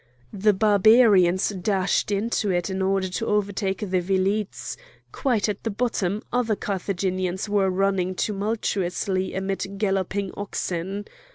The Barbarians dashed into it in order to overtake the velites; quite at the bottom other Carthaginians were running tumultuously amid galloping oxen.